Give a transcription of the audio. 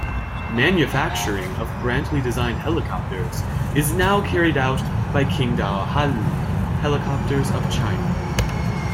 Manufacturing of Brantly-designed helicopters is now carried out by Qingdao Haili Helicopters of China.